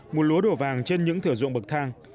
mùa lúa đổ vàng trên những thử dụng bậc thang